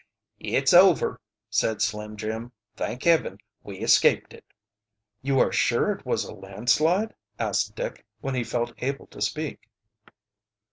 "It's over!" said Slim Jim. "Thank Heaven, we escaped it!" "You are sure it was a landslide?" asked Dick, when he felt able to speak.